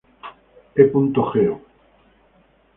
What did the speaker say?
E. Geo.